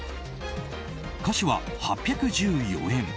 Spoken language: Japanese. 菓子は８１４円